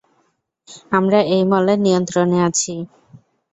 আমরা এই মলের নিয়ন্ত্রণে আছি।